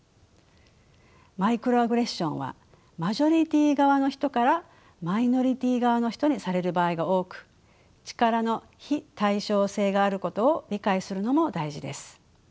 マイクロアグレッションはマジョリティー側の人からマイノリティー側の人にされる場合が多く力の非対称性があることを理解するのも大事です。